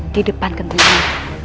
di depan kentangmu